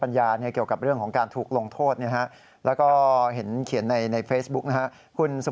เพราะว่าเราคิดต่างที่จะรู้ว่าบ้านน้องเขาเป็นยังไง